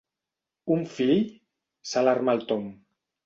Un fill? —s'alarma el Tom—.